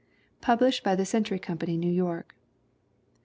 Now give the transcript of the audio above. Published by the Century Company, New York.